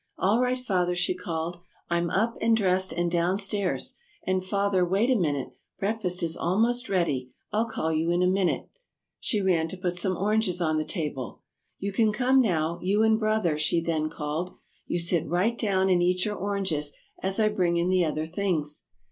"All right, Father," she called; "I'm up and dressed and downstairs and, Father, wait a minute; breakfast is almost ready. I'll call you in a minute." She ran to put some oranges on the table. [Illustration: She ran to put some oranges on the table] "You can come now, you and Brother," she then called. "You sit right down and eat your oranges, as I bring in the other things."